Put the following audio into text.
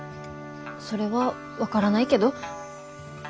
それは分からないけど。